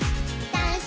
ダンス！